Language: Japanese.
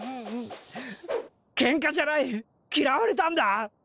ケンカじゃない嫌われたんだ！